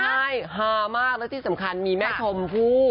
ใช่ฮามากและที่สำคัญมีแม่ชมพู่